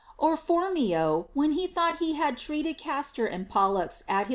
Or Phormio, when he thought he had treated Castor and Pollux at his VOL.